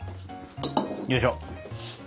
よいしょ。